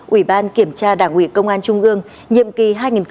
ủy ban kiểm tra đảng ủy công an trung ương nhiệm kỳ hai nghìn hai mươi hai nghìn hai mươi năm